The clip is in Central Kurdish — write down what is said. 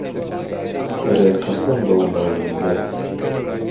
ئهرێ قهسهم بهو مانگه